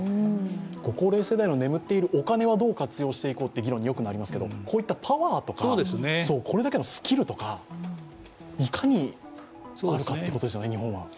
ご高齢世代の眠っているお金はどう活用していくかということですが、こういったパワーとか、これだけのスキルとか、いかにあるかってことですよね、日本は。